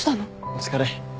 お疲れ。